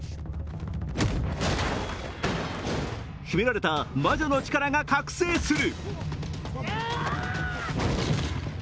秘められた魔女の力が覚醒する。